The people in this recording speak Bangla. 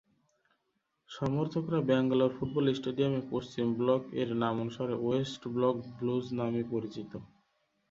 সমর্থকরা ব্যাঙ্গালোর ফুটবল স্টেডিয়ামে পশ্চিম ব্লক-এর নামানুসারে ওয়েস্ট ব্লক ব্লুজ নামে পরিচিত।